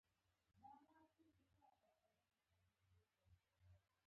د یوې کوچنۍ کښتۍ له لارې تګ راتګ کولای شي.